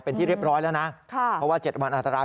เป็นที่เรียบร้อยแล้วนะ